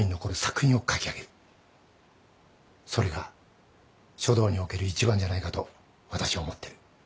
それが書道における一番じゃないかと私は思ってる。